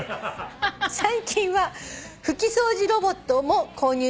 「最近は拭き掃除ロボットも購入しましたが」